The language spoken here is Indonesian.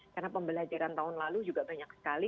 karena pembelajaran tahun lalu juga banyak sekali